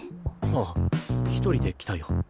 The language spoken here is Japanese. ああ一人で来たよ。